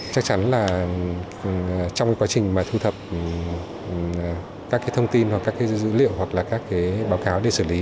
chắc chắn là trong quá trình thu thập các thông tin dữ liệu hoặc báo cáo để xử lý